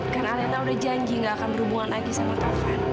karena elena udah janji gak akan berhubungan lagi sama taufan